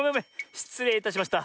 しつれいいたしました。